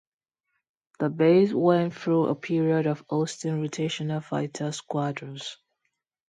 The base went through a period of hosting rotational fighter squadrons.